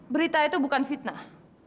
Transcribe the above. berita itu bukan fitnah